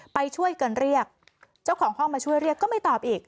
ไปช่วยกันเรียกเจ้าของห้องมาช่วยเรียกก็ไม่ตอบอีก